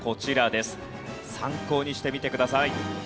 参考にしてみてください。